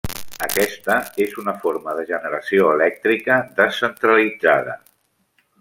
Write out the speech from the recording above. Aquesta és una forma de generació elèctrica descentralitzada.